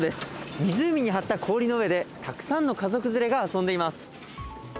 湖に張った氷の上でたくさんの家族連れが遊んでいます。